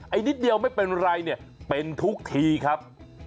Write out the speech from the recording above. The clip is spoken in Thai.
นิดเดียวไม่เป็นไรเนี่ยเป็นทุกทีครับ